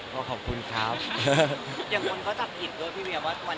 แต่คนก็เซียว่าชื่อพี่เวีย